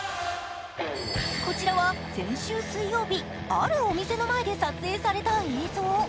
こちらは先週水曜日あるお店の前で撮影された映像。